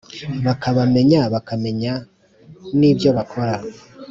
Bakabamenya bakamenya n ibyo bakora